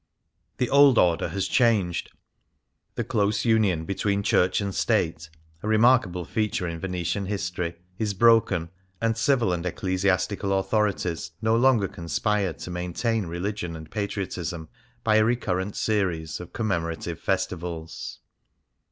The old order has changed. The close union between Church and State — a remarkable feature in Venetian history — is broken, and civil and ecclesiastical authorities no longer conspire to maintain religion and patriotism by a recurrent series of commemorative festivals.